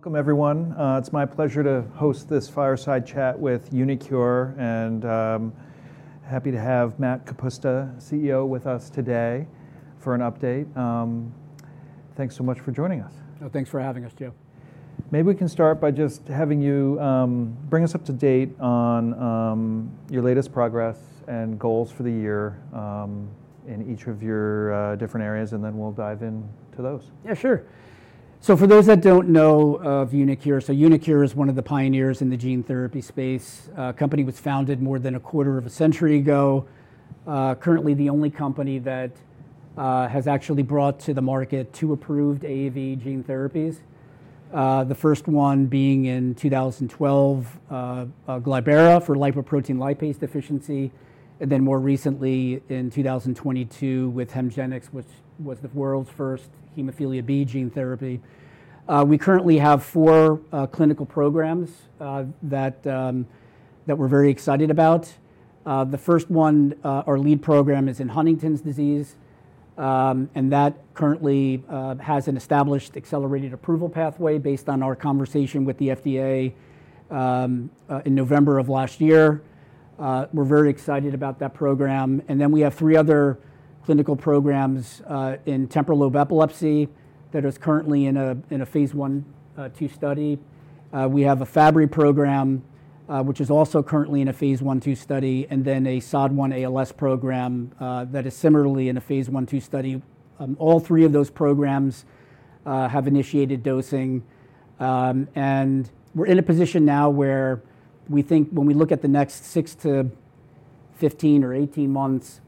Welcome, everyone. It's my pleasure to host this fireside chat with uniQure, and I'm happy to have Matt Kapusta, CEO, with us today for an update. Thanks so much for joining us. Thanks for having us, Joe. Maybe we can start by just having you bring us up to date on your latest progress and goals for the year in each of your different areas, and then we'll dive into those. Yeah, sure. For those that don't know of uniQure, uniQure is one of the pioneers in the gene therapy space. The company was founded more than a quarter of a century ago, currently the only company that has actually brought to the market two approved AAV gene therapies, the first one being in 2012, Glybera for lipoprotein lipase deficiency, and then more recently in 2022 with HEMGENIX, which was the world's first hemophilia B gene therapy. We currently have four clinical programs that we're very excited about. The first one, our lead program, is in Huntington's disease, and that currently has an established accelerated approval pathway based on our conversation with the FDA in November of last year. We're very excited about that program. We have three other clinical programs in temporal lobe epilepsy that are currently in a phase I-II study. We have a Fabry program, which is also currently in a phase I-II study, and then a SOD1 ALS program that is similarly in a phase I-II study. All three of those programs have initiated dosing. We are in a position now where we think when we look at the next 6 months-15 months or 18 months,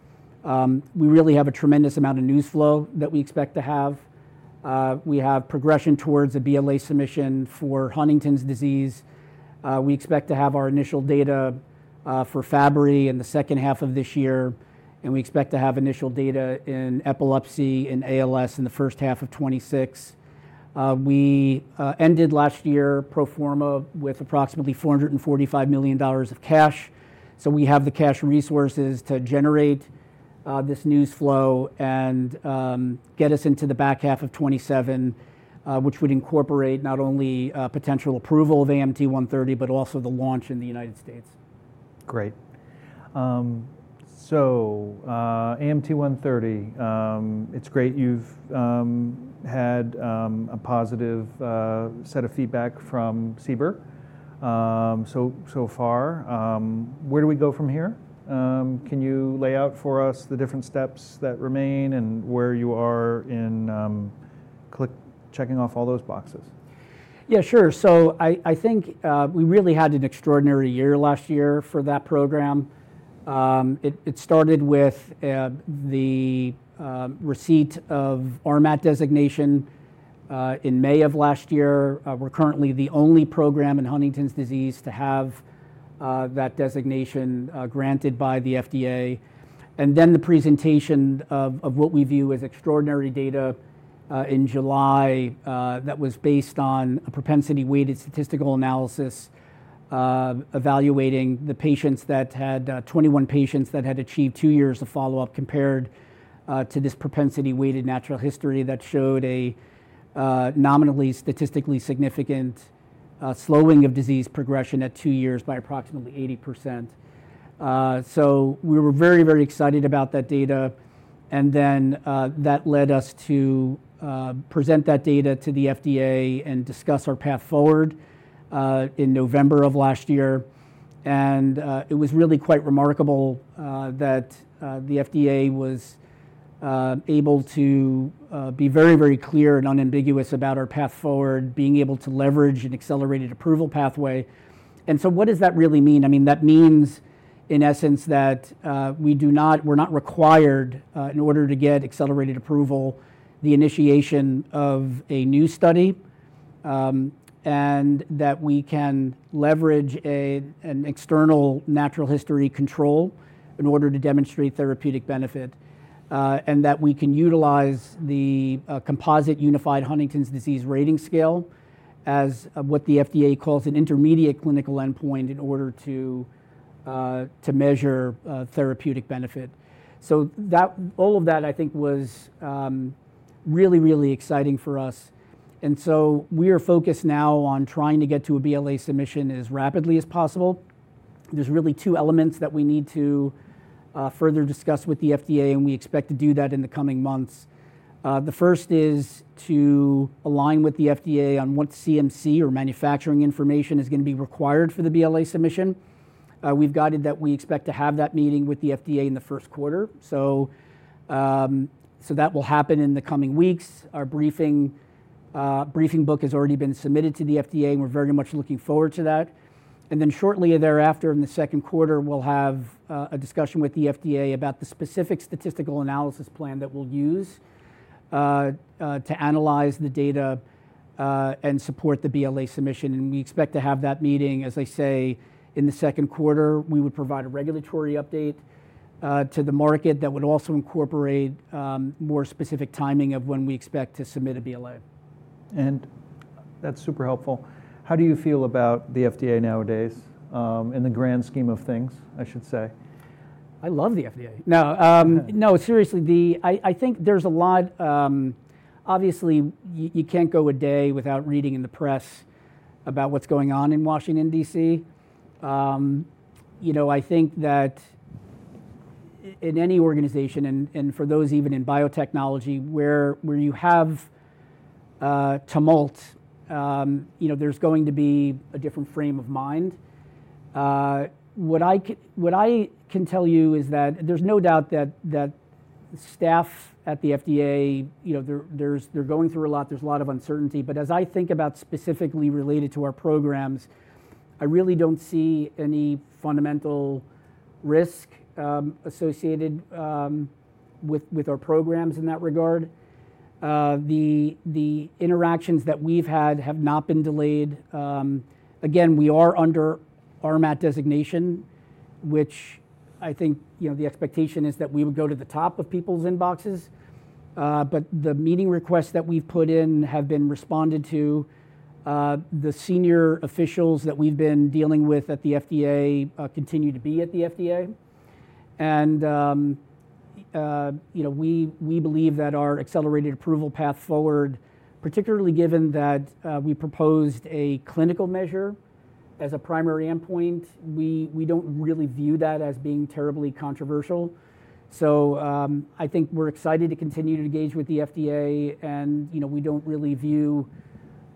we really have a tremendous amount of news flow that we expect to have. We have progression towards a BLA submission for Huntington's disease. We expect to have our initial data for Fabry in the second half of this year, and we expect to have initial data in epilepsy and ALS in the first half of 2026. We ended last year pro forma with approximately $445 million of cash, so we have the cash resources to generate this news flow and get us into the back half of 2027, which would incorporate not only potential approval of AMT-130, but also the launch in the United States. Great. AMT-130, it's great you've had a positive set of feedback from CBER so far. Where do we go from here? Can you lay out for us the different steps that remain and where you are in checking off all those boxes? Yeah, sure. I think we really had an extraordinary year last year for that program. It started with the receipt of RMAT designation in May of last year. We're currently the only program in Huntington's disease to have that designation granted by the FDA. The presentation of what we view as extraordinary data in July was based on a propensity-weighted statistical analysis evaluating the patients that had 21 patients that had achieved two years of follow-up compared to this propensity-weighted natural history that showed a nominally statistically significant slowing of disease progression at two years by approximately 80%. We were very, very excited about that data. That led us to present that data to the FDA and discuss our path forward in November of last year. It was really quite remarkable that the FDA was able to be very, very clear and unambiguous about our path forward, being able to leverage an accelerated approval pathway. What does that really mean? I mean, that means in essence that we're not required, in order to get accelerated approval, the initiation of a new study, and that we can leverage an external natural history control in order to demonstrate therapeutic benefit, and that we can utilize the Composite Unified Huntington's Disease Rating Scale as what the FDA calls an intermediate clinical endpoint in order to measure therapeutic benefit. All of that, I think, was really, really exciting for us. We are focused now on trying to get to a BLA submission as rapidly as possible. There's really two elements that we need to further discuss with the FDA, and we expect to do that in the coming months. The first is to align with the FDA on what CMC or manufacturing information is going to be required for the BLA submission. We've guided that we expect to have that meeting with the FDA in the first quarter. That will happen in the coming weeks. Our briefing book has already been submitted to the FDA, and we're very much looking forward to that. Shortly thereafter, in the second quarter, we'll have a discussion with the FDA about the specific statistical analysis plan that we'll use to analyze the data and support the BLA submission. We expect to have that meeting, as I say, in the second quarter. We would provide a regulatory update to the market that would also incorporate more specific timing of when we expect to submit a BLA. That's super helpful. How do you feel about the FDA nowadays in the grand scheme of things, I should say? I love the FDA. No, no, seriously, I think there's a lot. Obviously, you can't go a day without reading in the press about what's going on in Washington, D.C. You know, I think that in any organization, and for those even in biotechnology, where you have tumult, there's going to be a different frame of mind. What I can tell you is that there's no doubt that staff at the FDA, you know, they're going through a lot. There's a lot of uncertainty. As I think about specifically related to our programs, I really don't see any fundamental risk associated with our programs in that regard. The interactions that we've had have not been delayed. Again, we are under RMAT designation, which I think the expectation is that we would go to the top of people's inboxes. The meeting requests that we've put in have been responded to. The senior officials that we've been dealing with at the FDA continue to be at the FDA. We believe that our accelerated approval path forward, particularly given that we proposed a clinical measure as a primary endpoint, we don't really view that as being terribly controversial. I think we're excited to continue to engage with the FDA. We don't really view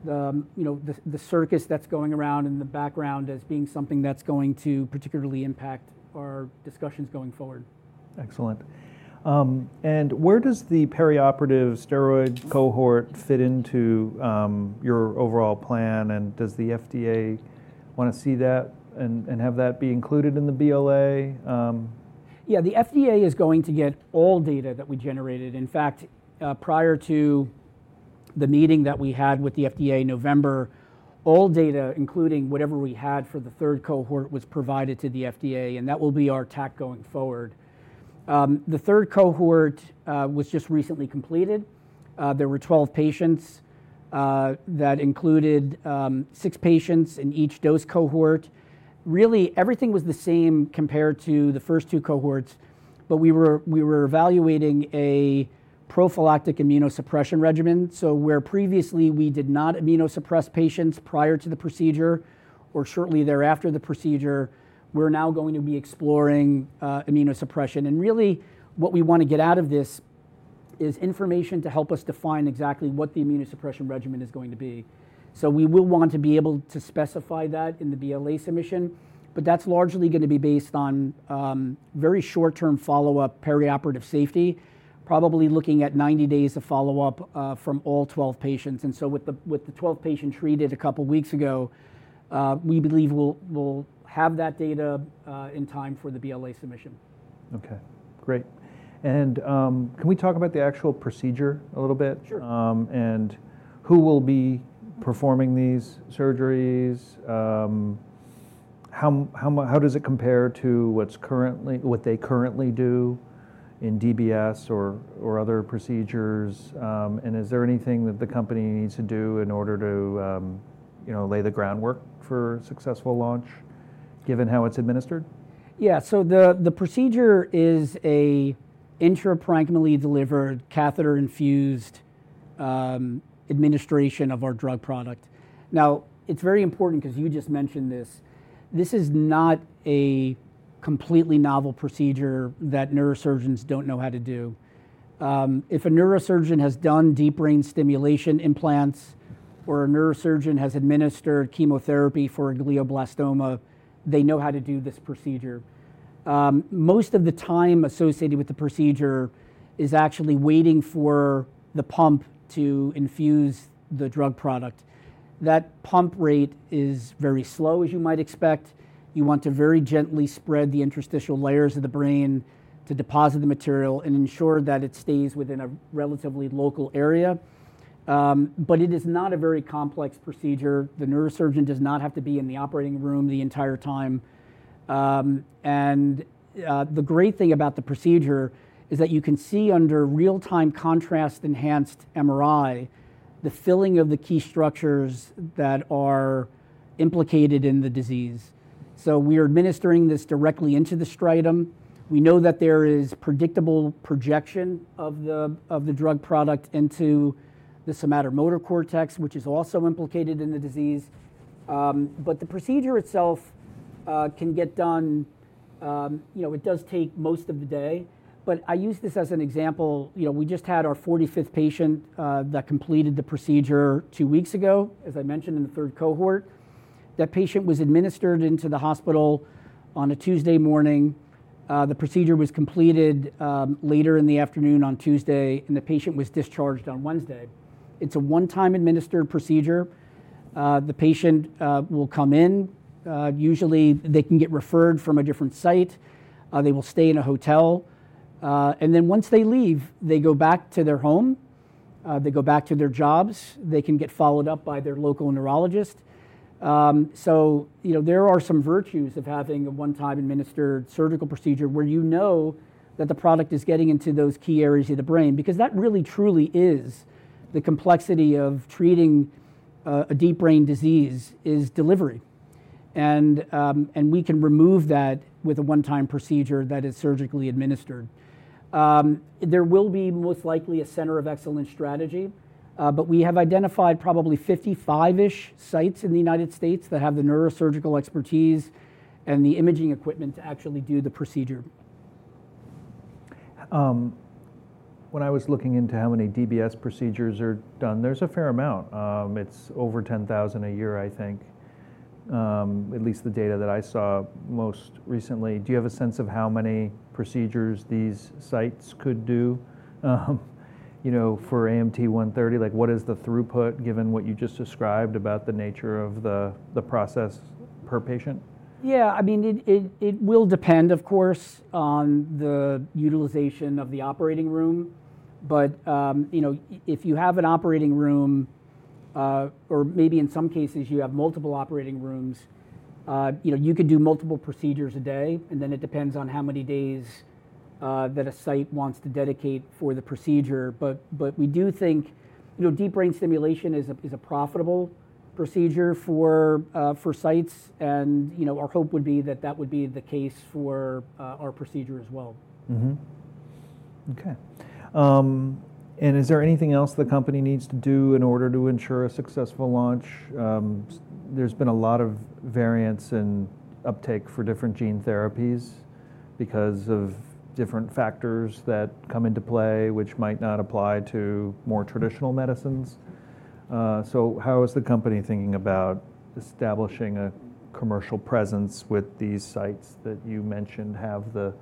the circus that's going around in the background as being something that's going to particularly impact our discussions going forward. Excellent. Where does the perioperative steroid cohort fit into your overall plan? Does the FDA want to see that and have that be included in the BLA? Yeah, the FDA is going to get all data that we generated. In fact, prior to the meeting that we had with the FDA in November, all data, including whatever we had for the third cohort, was provided to the FDA, and that will be our tack going forward. The third cohort was just recently completed. There were 12 patients that included six patients in each dose cohort. Really, everything was the same compared to the first two cohorts, but we were evaluating a prophylactic immunosuppression regimen. Where previously we did not immunosuppress patients prior to the procedure or shortly thereafter the procedure, we're now going to be exploring immunosuppression. Really, what we want to get out of this is information to help us define exactly what the immunosuppression regimen is going to be. We will want to be able to specify that in the BLA submission, but that's largely going to be based on very short-term follow-up perioperative safety, probably looking at 90 days of follow-up from all 12 patients. With the 12 patients treated a couple of weeks ago, we believe we'll have that data in time for the BLA submission. Okay, great. Can we talk about the actual procedure a little bit? Sure. Who will be performing these surgeries? How does it compare to what they currently do in DBS or other procedures? Is there anything that the company needs to do in order to lay the groundwork for successful launch, given how it's administered? Yeah, so the procedure is an intraparenchymally delivered catheter-infused administration of our drug product. Now, it's very important because you just mentioned this. This is not a completely novel procedure that neurosurgeons don't know how to do. If a neurosurgeon has done deep brain stimulation implants or a neurosurgeon has administered chemotherapy for a glioblastoma, they know how to do this procedure. Most of the time associated with the procedure is actually waiting for the pump to infuse the drug product. That pump rate is very slow, as you might expect. You want to very gently spread the interstitial layers of the brain to deposit the material and ensure that it stays within a relatively local area. It is not a very complex procedure. The neurosurgeon does not have to be in the operating room the entire time. The great thing about the procedure is that you can see under real-time contrast-enhanced MRI the filling of the key structures that are implicated in the disease. We are administering this directly into the striatum. We know that there is predictable projection of the drug product into the somatomotor cortex, which is also implicated in the disease. The procedure itself can get done. It does take most of the day. I use this as an example. We just had our 45th patient that completed the procedure two weeks ago, as I mentioned, in the third cohort. That patient was administered into the hospital on a Tuesday morning. The procedure was completed later in the afternoon on Tuesday, and the patient was discharged on Wednesday. It's a one-time administered procedure. The patient will come in. Usually, they can get referred from a different site. They will stay in a hotel. Once they leave, they go back to their home. They go back to their jobs. They can get followed up by their local neurologist. There are some virtues of having a one-time administered surgical procedure where you know that the product is getting into those key areas of the brain because that really, truly is the complexity of treating a deep brain disease, delivery. We can remove that with a one-time procedure that is surgically administered. There will be most likely a center of excellence strategy, but we have identified probably 55-ish sites in the United States that have the neurosurgical expertise and the imaging equipment to actually do the procedure. When I was looking into how many DBS procedures are done, there's a fair amount. It's over 10,000 a year, I think, at least the data that I saw most recently. Do you have a sense of how many procedures these sites could do for AMT-130? What is the throughput given what you just described about the nature of the process per patient? Yeah, I mean, it will depend, of course, on the utilization of the operating room. If you have an operating room, or maybe in some cases you have multiple operating rooms, you could do multiple procedures a day. It depends on how many days that a site wants to dedicate for the procedure. We do think deep brain stimulation is a profitable procedure for sites. Our hope would be that that would be the case for our procedure as well. Okay. Is there anything else the company needs to do in order to ensure a successful launch? There's been a lot of variance in uptake for different gene therapies because of different factors that come into play, which might not apply to more traditional medicines. How is the company thinking about establishing a commercial presence with these sites that you mentioned have the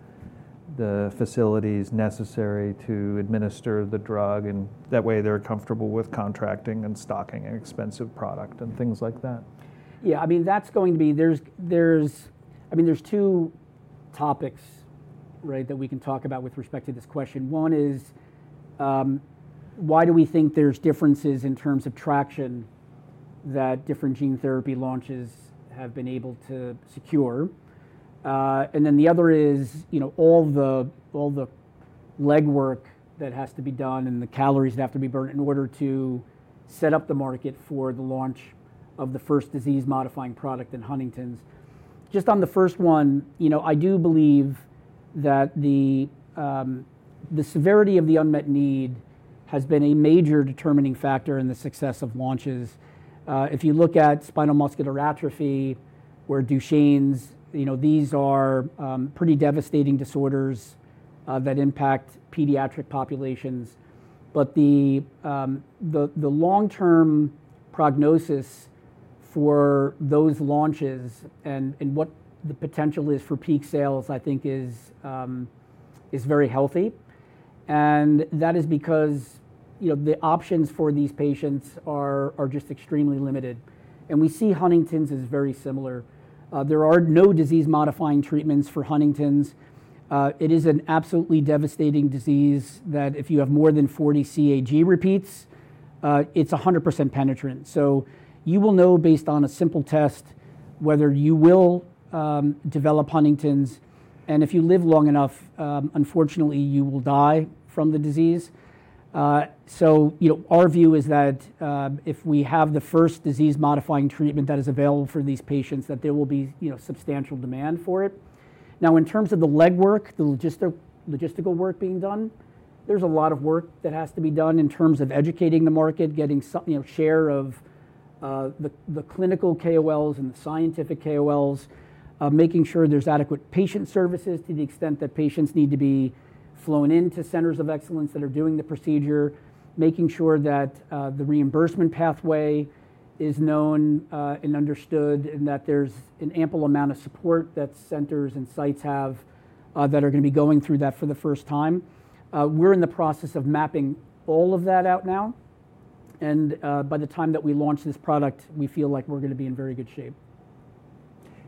facilities necessary to administer the drug? That way, they're comfortable with contracting and stocking an expensive product and things like that. Yeah, I mean, that's going to be—I mean, there are two topics that we can talk about with respect to this question. One is, why do we think there are differences in terms of traction that different gene therapy launches have been able to secure? The other is all the legwork that has to be done and the calories that have to be burnt in order to set up the market for the launch of the first disease-modifying product in Huntington's. Just on the first one, I do believe that the severity of the unmet need has been a major determining factor in the success of launches. If you look at spinal muscular atrophy or Duchenne's, these are pretty devastating disorders that impact pediatric populations. The long-term prognosis for those launches and what the potential is for peak sales, I think, is very healthy. That is because the options for these patients are just extremely limited. We see Huntington's is very similar. There are no disease-modifying treatments for Huntington's. It is an absolutely devastating disease that if you have more than 40 CAG repeats, it's 100% penetrant. You will know based on a simple test whether you will develop Huntington's. If you live long enough, unfortunately, you will die from the disease. Our view is that if we have the first disease-modifying treatment that is available for these patients, there will be substantial demand for it. Now, in terms of the legwork, the logistical work being done, there's a lot of work that has to be done in terms of educating the market, getting a share of the clinical KOLs and the scientific KOLs, making sure there's adequate patient services to the extent that patients need to be flown into centers of excellence that are doing the procedure, making sure that the reimbursement pathway is known and understood, and that there's an ample amount of support that centers and sites have that are going to be going through that for the first time. We're in the process of mapping all of that out now. By the time that we launch this product, we feel like we're going to be in very good shape.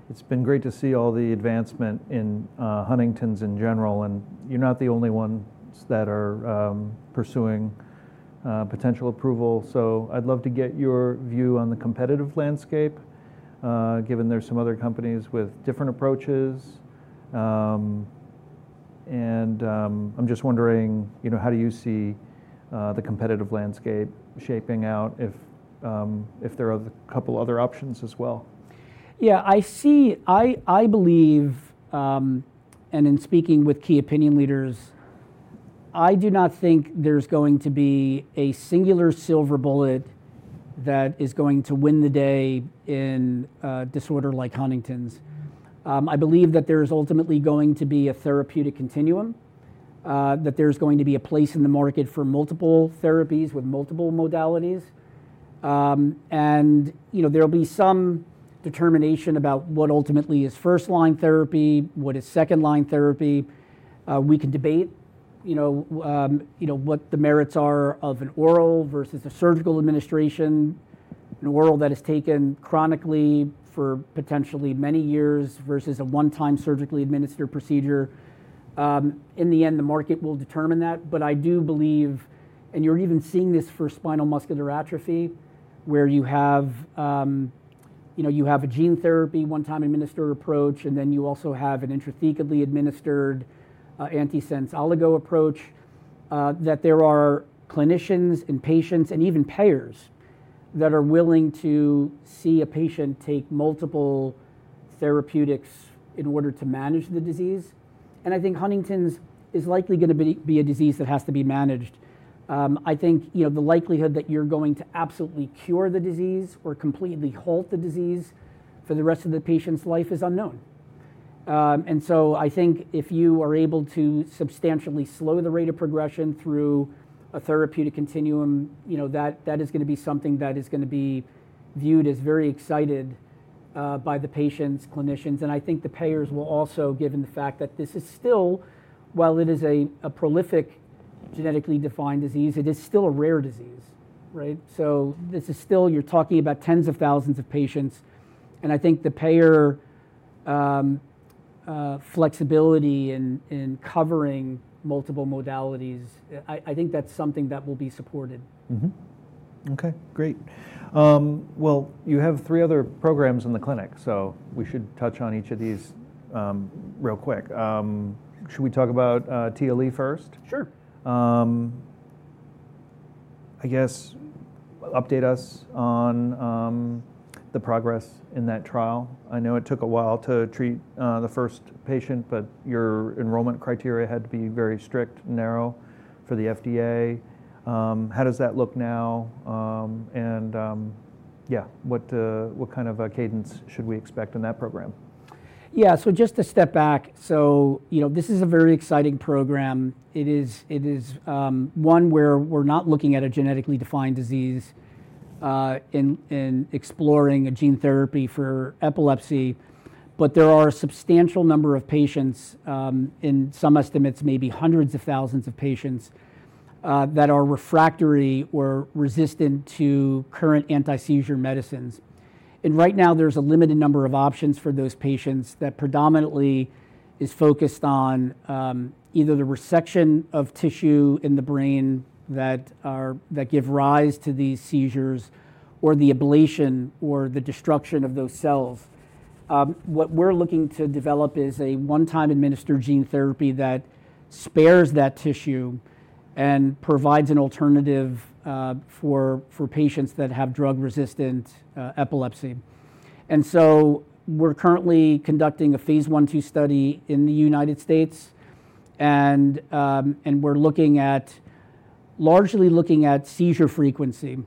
It's been great to see all the advancement in Huntington's in general. You're not the only ones that are pursuing potential approval. I'd love to get your view on the competitive landscape, given there are some other companies with different approaches. I'm just wondering, how do you see the competitive landscape shaping out if there are a couple of other options as well? Yeah, I believe, and in speaking with key opinion leaders, I do not think there's going to be a singular silver bullet that is going to win the day in a disorder like Huntington's. I believe that there is ultimately going to be a therapeutic continuum, that there's going to be a place in the market for multiple therapies with multiple modalities. There'll be some determination about what ultimately is first-line therapy, what is second-line therapy. We can debate what the merits are of an oral versus a surgical administration, an oral that is taken chronically for potentially many years versus a one-time surgically administered procedure. In the end, the market will determine that. I do believe, and you're even seeing this for spinal muscular atrophy, where you have a gene therapy one-time administered approach, and then you also have an intrathecally administered antisense oligo approach, that there are clinicians and patients and even payers that are willing to see a patient take multiple therapeutics in order to manage the disease. I think Huntington's is likely going to be a disease that has to be managed. I think the likelihood that you're going to absolutely cure the disease or completely halt the disease for the rest of the patient's life is unknown. I think if you are able to substantially slow the rate of progression through a therapeutic continuum, that is going to be something that is going to be viewed as very excited by the patients, clinicians. I think the payers will also, given the fact that this is still, while it is a prolific genetically defined disease, it is still a rare disease. This is still, you're talking about tens of thousands of patients. I think the payer flexibility in covering multiple modalities, I think that's something that will be supported. Okay, great. You have three other programs in the clinic, so we should touch on each of these real quick. Should we talk about TLE first? Sure. I guess update us on the progress in that trial. I know it took a while to treat the first patient, but your enrollment criteria had to be very strict and narrow for the FDA. How does that look now? Yeah, what kind of cadence should we expect in that program? Yeah, just to step back, this is a very exciting program. It is one where we're not looking at a genetically defined disease and exploring a gene therapy for epilepsy. There are a substantial number of patients, in some estimates, maybe hundreds of thousands of patients that are refractory or resistant to current anti-seizure medicines. Right now, there's a limited number of options for those patients that predominantly is focused on either the resection of tissue in the brain that give rise to these seizures or the ablation or the destruction of those cells. What we're looking to develop is a one-time administered gene therapy that spares that tissue and provides an alternative for patients that have drug-resistant epilepsy. We're currently conducting a phase I-II study in the United States. We're largely looking at seizure frequency.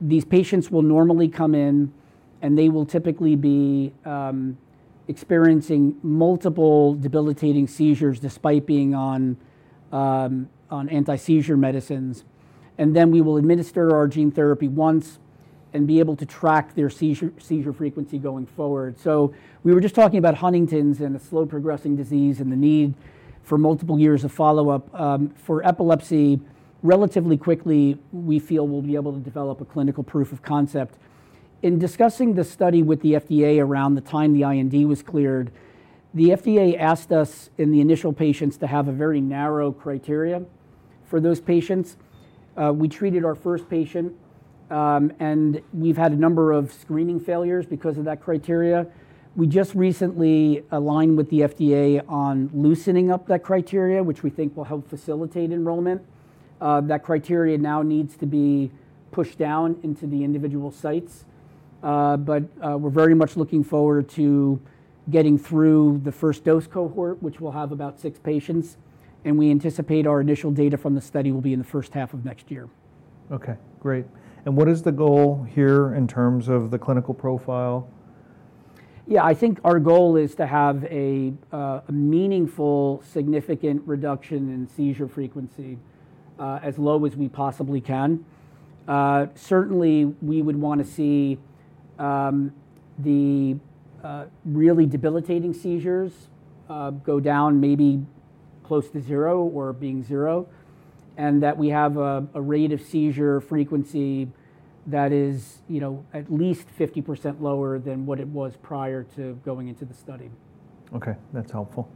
These patients will normally come in, and they will typically be experiencing multiple debilitating seizures despite being on anti-seizure medicines. Then we will administer our gene therapy once and be able to track their seizure frequency going forward. We were just talking about Huntington's and a slow-progressing disease and the need for multiple years of follow-up. For epilepsy, relatively quickly, we feel we'll be able to develop a clinical proof of concept. In discussing the study with the FDA around the time the IND was cleared, the FDA asked us in the initial patients to have a very narrow criteria for those patients. We treated our first patient, and we've had a number of screening failures because of that criteria. We just recently aligned with the FDA on loosening up that criteria, which we think will help facilitate enrollment. That criteria now needs to be pushed down into the individual sites. We are very much looking forward to getting through the first dose cohort, which will have about six patients. We anticipate our initial data from the study will be in the first half of next year. Okay, great. What is the goal here in terms of the clinical profile? Yeah, I think our goal is to have a meaningful, significant reduction in seizure frequency as low as we possibly can. Certainly, we would want to see the really debilitating seizures go down maybe close to zero or being zero, and that we have a rate of seizure frequency that is at least 50% lower than what it was prior to going into the study. Okay, that's helpful.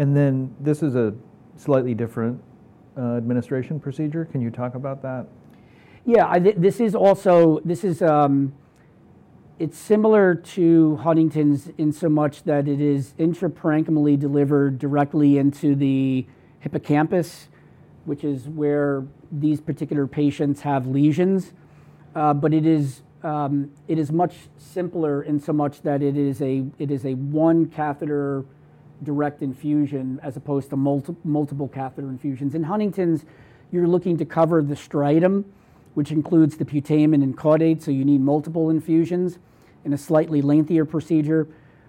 This is a slightly different administration procedure. Can you talk about that? Yeah, this is similar to Huntington's in so much that it is intraparenchymally delivered directly into the hippocampus, which is where these particular patients have lesions. It is much simpler in so much that it is a one catheter direct infusion as opposed to multiple catheter infusions. In Huntington's, you're looking to cover the striatum, which includes the putamen and caudate. You need multiple infusions in a slightly lengthier procedure.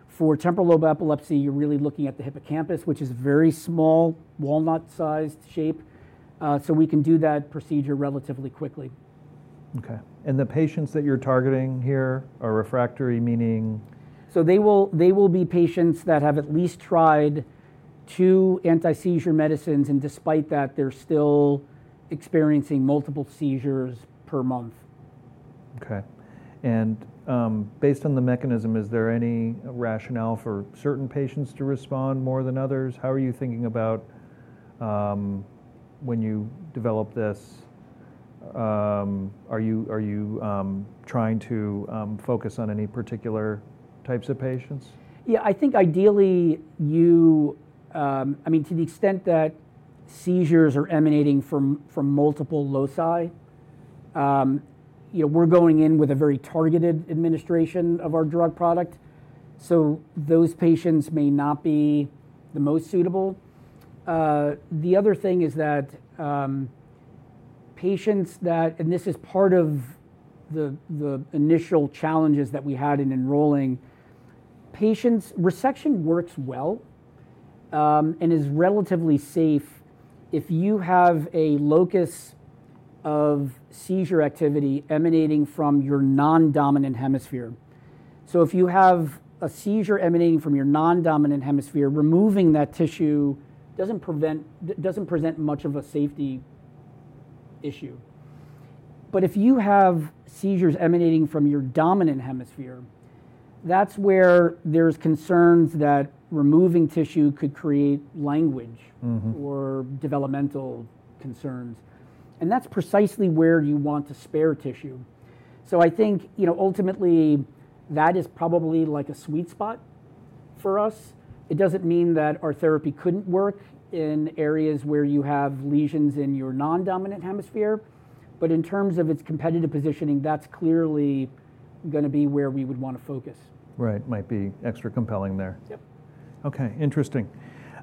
For temporal lobe epilepsy, you're really looking at the hippocampus, which is very small, walnut-sized shape. We can do that procedure relatively quickly. Okay. The patients that you're targeting here are refractory, meaning? They will be patients that have at least tried two anti-seizure medicines. Despite that, they're still experiencing multiple seizures per month. Okay. Based on the mechanism, is there any rationale for certain patients to respond more than others? How are you thinking about when you develop this? Are you trying to focus on any particular types of patients? Yeah, I think ideally, I mean, to the extent that seizures are emanating from multiple loci, we're going in with a very targeted administration of our drug product. Those patients may not be the most suitable. The other thing is that patients that, and this is part of the initial challenges that we had in enrolling, resection works well and is relatively safe if you have a locus of seizure activity emanating from your non-dominant hemisphere. If you have a seizure emanating from your non-dominant hemisphere, removing that tissue doesn't present much of a safety issue. If you have seizures emanating from your dominant hemisphere, that's where there's concerns that removing tissue could create language or developmental concerns. That's precisely where you want to spare tissue. I think ultimately, that is probably like a sweet spot for us. It doesn't mean that our therapy couldn't work in areas where you have lesions in your non-dominant hemisphere. In terms of its competitive positioning, that's clearly going to be where we would want to focus. Right. Might be extra compelling there. Yep. Okay, interesting.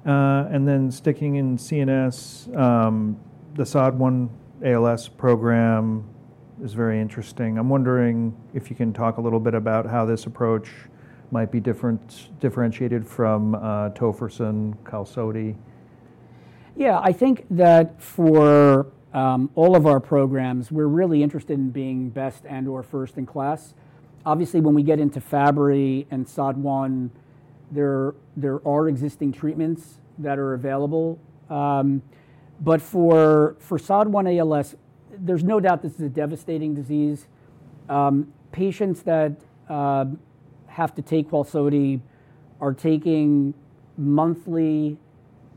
Sticking in CNS, the SOD1 ALS program is very interesting. I'm wondering if you can talk a little bit about how this approach might be differentiated from tofersen, QALSODY. Yeah, I think that for all of our programs, we're really interested in being best and/or first in class. Obviously, when we get into Fabry and SOD1, there are existing treatments that are available. For SOD1 ALS, there's no doubt this is a devastating disease. Patients that have to take QALSODY are taking monthly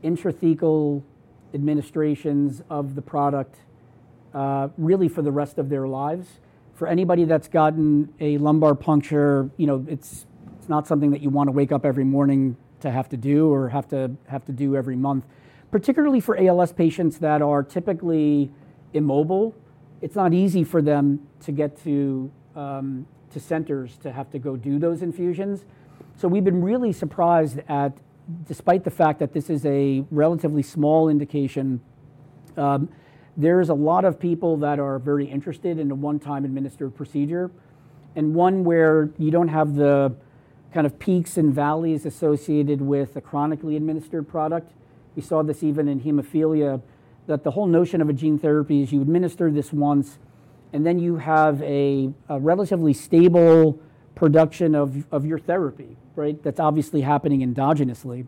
intrathecal administrations of the product really for the rest of their lives. For anybody that's gotten a lumbar puncture, it's not something that you want to wake up every morning to have to do or have to do every month. Particularly for ALS patients that are typically immobile, it's not easy for them to have to go do those infusions. We have been really surprised at, despite the fact that this is a relatively small indication, there is a lot of people that are very interested in a one-time administered procedure, and one where you do not have the kind of peaks and valleys associated with a chronically administered product. We saw this even in hemophilia, that the whole notion of a gene therapy is you administer this once, and then you have a relatively stable production of your therapy. That is obviously happening endogenously.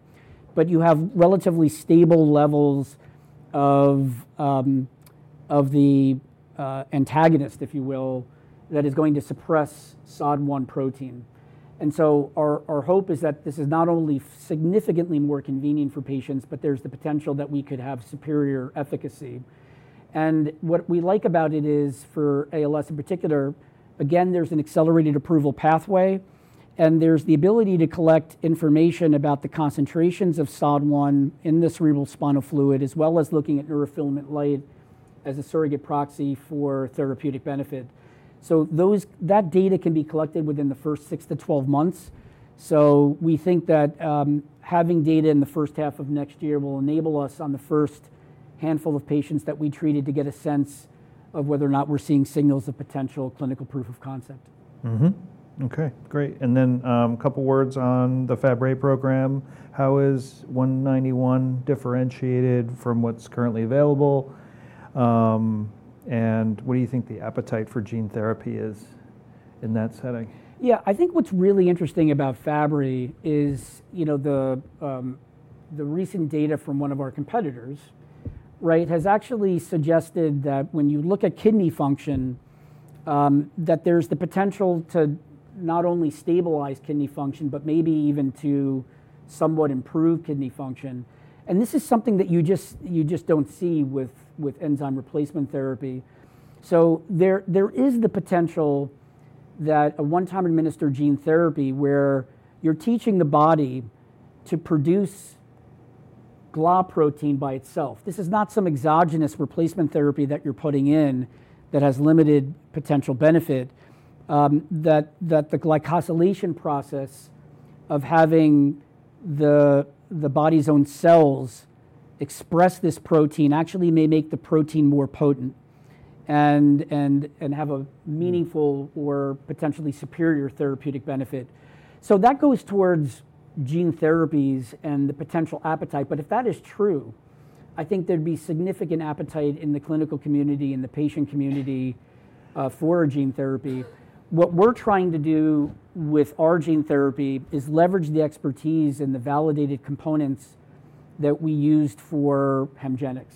You have relatively stable levels of the antagonist, if you will, that is going to suppress SOD1 protein. Our hope is that this is not only significantly more convenient for patients, but there is the potential that we could have superior efficacy. What we like about it is for ALS in particular, again, there's an accelerated approval pathway, and there's the ability to collect information about the concentrations of SOD1 in the cerebral spinal fluid, as well as looking at neurofilament light as a surrogate proxy for therapeutic benefit. That data can be collected within the first 6 to 12 months. We think that having data in the first half of next year will enable us on the first handful of patients that we treated to get a sense of whether or not we're seeing signals of potential clinical proof of concept. Okay, great. A couple of words on the Fabry program. How is 191 differentiated from what's currently available? What do you think the appetite for gene therapy is in that setting? Yeah, I think what's really interesting about Fabry is the recent data from one of our competitors has actually suggested that when you look at kidney function, that there's the potential to not only stabilize kidney function, but maybe even to somewhat improve kidney function. This is something that you just don't see with enzyme replacement therapy. There is the potential that a one-time administered gene therapy where you're teaching the body to produce GLA protein by itself. This is not some exogenous replacement therapy that you're putting in that has limited potential benefit. The glycosylation process of having the body's own cells express this protein actually may make the protein more potent and have a meaningful or potentially superior therapeutic benefit. That goes towards gene therapies and the potential appetite. If that is true, I think there'd be significant appetite in the clinical community and the patient community for a gene therapy. What we're trying to do with our gene therapy is leverage the expertise and the validated components that we used for HEMGENIX.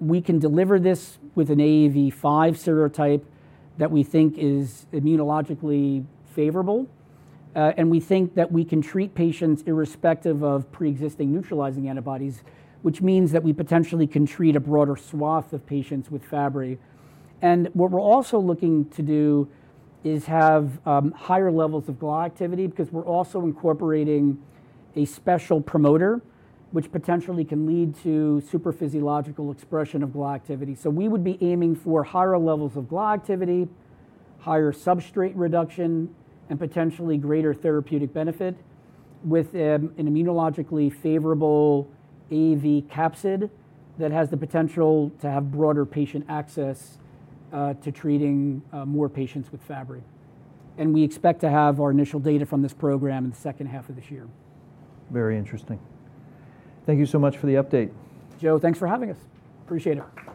We can deliver this with an AAV5 serotype that we think is immunologically favorable. We think that we can treat patients irrespective of pre-existing neutralizing antibodies, which means that we potentially can treat a broader swath of patients with Fabry. What we're also looking to do is have higher levels of GLA activity because we're also incorporating a special promoter, which potentially can lead to super physiological expression of GLA activity. We would be aiming for higher levels of GLA activity, higher substrate reduction, and potentially greater therapeutic benefit with an immunologically favorable AAV capsid that has the potential to have broader patient access to treating more patients with Fabry. We expect to have our initial data from this program in the second half of this year. Very interesting. Thank you so much for the update. Joe, thanks for having us. Appreciate it.